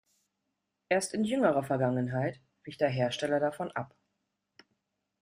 Erst in jüngerer Vergangenheit wich der Hersteller davon ab.